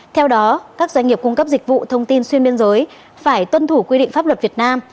theo đó các doanh nghiệp cung cấp dịch vụ thông tin xuyên biên giới phải tuân thủ quy định pháp luật việt nam